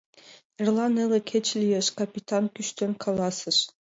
Эрла неле кече лиеш, — капитан кӱштен каласыш.